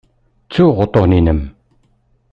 Ttuɣ uṭṭun-inem.